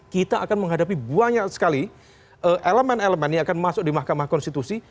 kita akan menghadapi banyak sekali elemen elemen yang akan masuk di mahkamah konstitusi